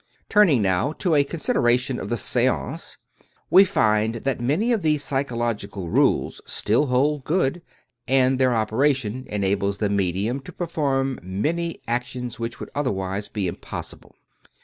Turning, now, to a consideration of the seance, we find that many of these psychological rules still hold good, and their operation enables the medium to perform many ac tions which would otherwise be impossible.